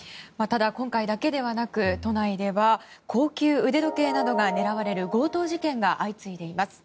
今回だけではなく都内では高級腕時計などが狙われる強盗事件が相次いでいます。